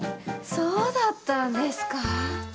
そうだったんですかぁ。